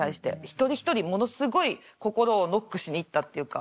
一人一人ものすごい心をノックしに行ったっていうか。